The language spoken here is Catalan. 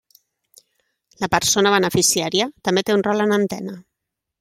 La persona beneficiària també té un rol en antena.